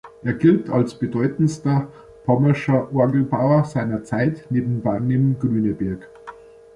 Er gilt als bedeutendster pommerscher Orgelbauer seiner Zeit neben Barnim Grüneberg.